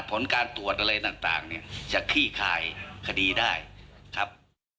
ผลการตรวจอะไรต่างเนี่ยจะขี้คายคดีได้ครับ